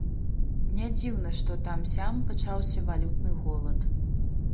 Нядзіўна, што там-сям пачаўся валютны голад.